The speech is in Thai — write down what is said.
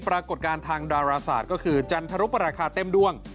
ปรากฏการณ์ทางดาราศาสตร์ก็คือจันทรุปราคาเต็มด้วง